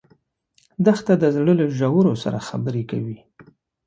دښته د زړه له ژورو سره خبرې کوي.